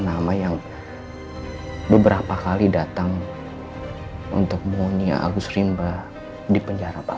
nama yang beberapa kali datang untuk bunyi agus rimba di penjara pak